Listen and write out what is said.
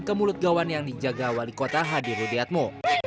ke mulut gawan yang dijaga wali kota hadirudiatmo